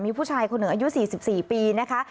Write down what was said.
มีผู้ชายคนเหนืออายุสี่สิบสี่ปีนะคะ